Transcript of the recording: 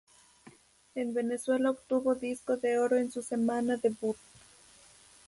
En Venezuela obtuvo disco de oro en su semana debut.